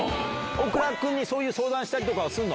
大倉君にそういう相談したりとかするの？